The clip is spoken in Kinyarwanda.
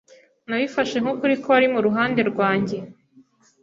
Nabifashe nk'ukuri ko wari mu ruhande rwanjye.